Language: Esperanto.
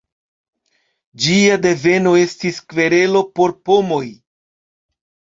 Ĝia deveno estis kverelo por pomoj.